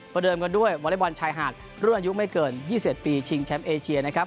เดิมกันด้วยวอเล็กบอลชายหาดรุ่นอายุไม่เกิน๒๑ปีชิงแชมป์เอเชียนะครับ